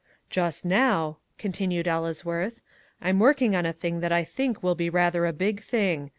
"Just now," continued Ellesworth, "I'm working on a thing that I think will be rather a big thing.